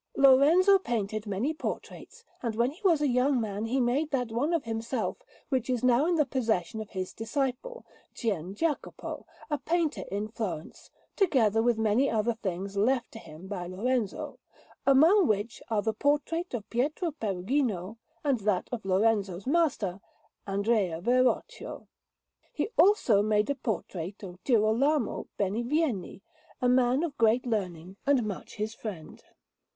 Lorenzo painted many portraits, and when he was a young man he made that one of himself which is now in the possession of his disciple, Gian Jacopo, a painter in Florence, together with many other things left to him by Lorenzo, among which are the portrait of Pietro Perugino and that of Lorenzo's master, Andrea Verrocchio. He also made a portrait of Girolamo Benivieni, a man of great learning, and much his friend.